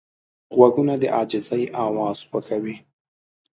غوږونه د عاجزۍ اواز خوښوي